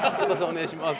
お願いします。